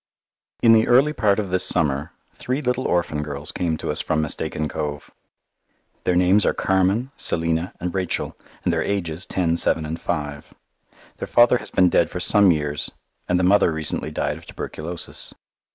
In the early part of this summer three little orphan girls came to us from Mistaken Cove. Their names are Carmen, Selina, and Rachel, and their ages, ten, seven, and five. Their father has been dead for some years, and the mother recently died of tuberculosis.